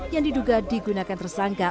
yang diduga digunakan tersangka